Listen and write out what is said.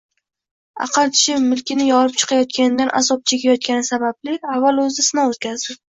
Aql tishi milkini yorib chiqayotganidan azob chekayotgani sababli avval o‘zida sinov o‘tkazdi